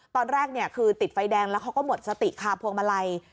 ตอนแรกคือติดไฟแดงแล้วเขาก็หมดสติคาพวงมาลัย